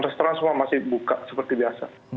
restoran semua masih buka seperti biasa